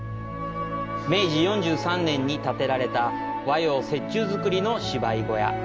明治４３年に建てられた和洋折衷造りの芝居小屋。